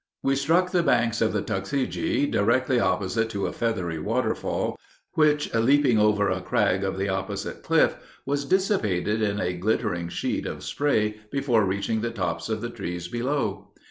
We struck the banks of the Tuckasegee directly opposite to a feathery waterfall, which, leaping over a crag of the opposite cliff, was dissipated in a glittering sheet of spray before reaching the tops of the trees below.